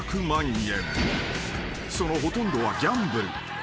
［そのほとんどはギャンブル］